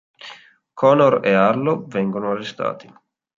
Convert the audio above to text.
Conor e Arlo vengono arrestati.